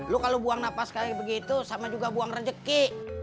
lu kalau buang napas kayak begitu sama juga buang rezeki